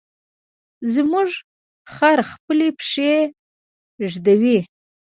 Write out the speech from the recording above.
زموږ خر خپلې پښې ږدوي.